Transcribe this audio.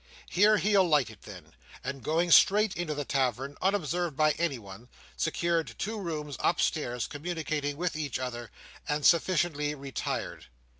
Here he alighted then; and going straight into the tavern, unobserved by anyone, secured two rooms upstairs communicating with each other, and sufficiently retired.